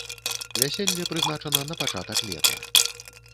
Вяселле прызначана на пачатак лета.